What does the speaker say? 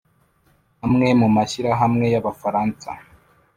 amwe mu mashyirahamwe y'abafaransa